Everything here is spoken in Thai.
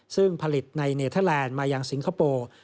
ซึ่งผลิตในเนเทอร์แลนด์มายังสิงคโปร์